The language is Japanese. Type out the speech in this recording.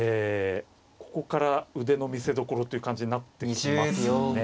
ここから腕の見せどころという感じになってきますね。